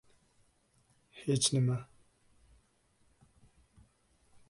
— Hech nima!